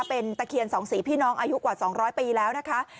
เป็นตะเคียนสองสีพี่น้องอายุกว่า๒๐๐ปีแล้วนะคะ